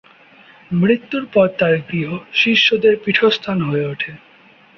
মৃত্যুর পর তার গৃহ শিষ্যদের পীঠস্থান হয়ে ওঠে।